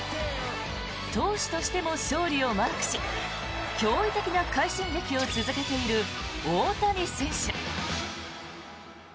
投手としても勝利をマークし驚異的な快進撃を続けている大谷選手。